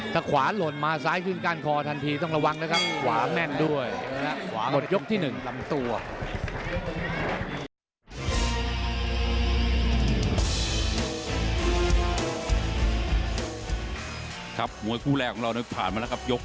ถ้าขวาหล่นมาซ้ายขึ้นกันคอทันทีต้องระวังนะครับ